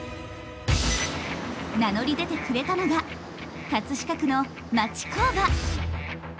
名乗り出てくれたのが飾区の町工場。